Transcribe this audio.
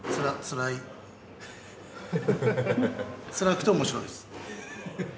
つらくて面白いです。